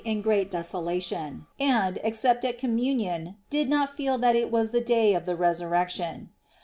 _ desolation, and, except at Communion, did not feel that it was the day of the Resurrection.